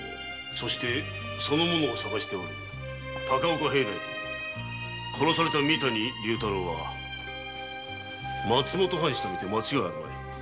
そしてその者を捜す高岡平内と殺された三谷竜太郎は松本藩士とみて間違いあるまい。